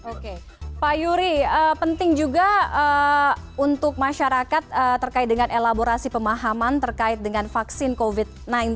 oke pak yuri penting juga untuk masyarakat terkait dengan elaborasi pemahaman terkait dengan vaksin covid sembilan belas